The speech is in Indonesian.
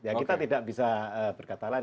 ya kita tidak bisa berkata lain